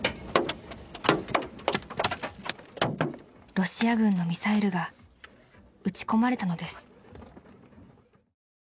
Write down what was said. ［ロシア軍のミサイルが撃ち込まれたのです］